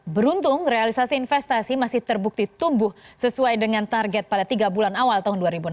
beruntung realisasi investasi masih terbukti tumbuh sesuai dengan target pada tiga bulan awal tahun dua ribu enam belas